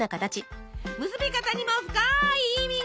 結び方にも深い意味が！